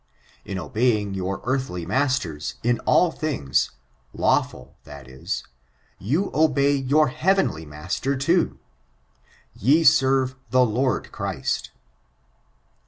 In obeying your earthly masters, in all things, pawful, that is] you obey your heavenly Master too— "ye serve the Lord Christ" 3.